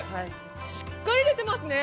しっかり出てますね！